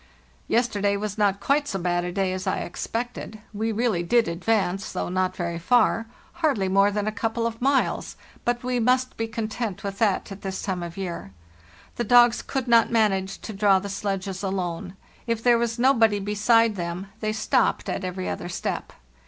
"Yesterday was not quite so bad a day as I expected. We really did advance, though not very far—hardly more than a couple of miles—but we must be content with that at this time of year. The dogs could not manage to draw the sledges alone; if there was nobody beside them they stopped at every other step.